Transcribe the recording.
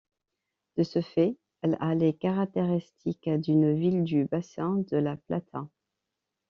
De ce fait, elle a les caractéristiques d'une ville du Bassin de la Plata.